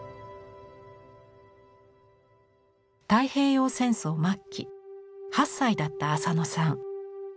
太平洋戦争末期８歳だった浅野さん。